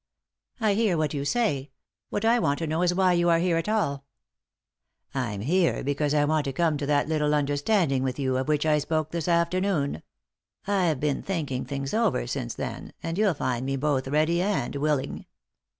"I hear what you say. What I want to know is why you are here at all ?"" I'm here because I want to come to that little understanding with you of which I spoke this after noon. I've been thinking things over since then, and you'll find me both ready and willing."